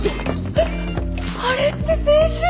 えっあれって青春じゃん！